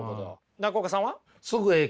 中岡さんは？